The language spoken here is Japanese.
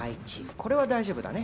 これは大丈夫だね